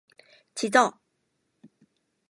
짖어!